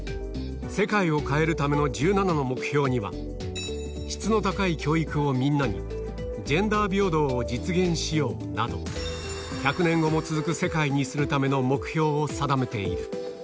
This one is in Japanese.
世界を変えるための１７の目標には、質の高い教育をみんなに、ジェンダー平等を実現しようなど、１００年後も続く世界にするための目標を定めている。